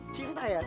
cinta ya cinta